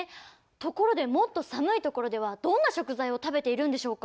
ところでもっと寒いところではどんな食材を食べているんでしょうか？